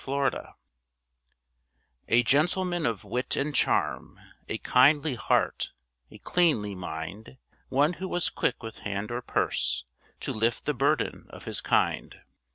DARKNESS A gentleman of wit and charm, A kindly heart, a cleanly mind, One who was quick with hand or purse, To lift the burden of his kind.